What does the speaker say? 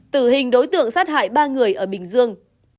tử hình đối tượng sát hại ba người ở bình dương